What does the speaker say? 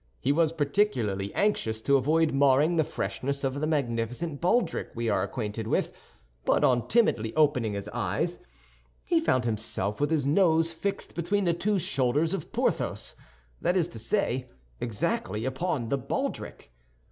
He was particularly anxious to avoid marring the freshness of the magnificent baldric we are acquainted with; but on timidly opening his eyes, he found himself with his nose fixed between the two shoulders of Porthos—that is to say, exactly upon the baldric.